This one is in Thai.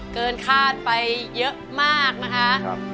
เกินคาดไปเยอะมากนะคะ